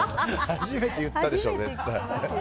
初めて言ったでしょ、絶対。